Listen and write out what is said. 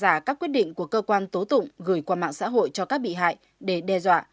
giả các quyết định của cơ quan tố tụng gửi qua mạng xã hội cho các bị hại để đe dọa